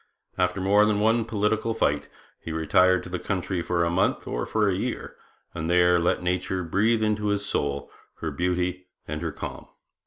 After more than one political fight he retired to the country for a month or for a year, and there let nature breathe into his soul her beauty and her calm.